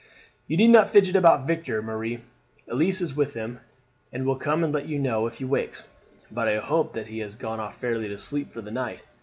"You need not fidget about Victor, Marie. Elise is with him, and will come and let you know if he wakes; but I hope that he has gone off fairly to sleep for the night.